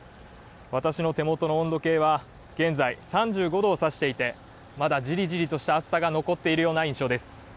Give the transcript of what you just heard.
私の手元の温度計は現在３５度を指していて、まだジリジリとした暑さが残っているような印象です。